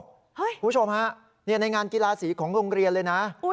คุณผู้ชมฮะในงานกีฬาสีของโรงเรียนเลยนะ